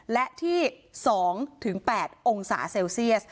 และที่๒๘องศาเซลเซียส